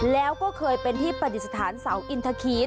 แล้วก็เคยเป็นที่ปฏิสถานเสาอินทคีน